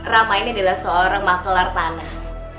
rama ini adalah seorang makelar tanah